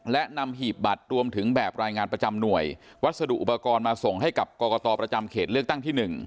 และนำหีบบัตรรวมถึงแบบรายงานประจำหน่วยวัสดุอุปกรณ์มาส่งให้กับกรกตประจำเขตเลือกตั้งที่๑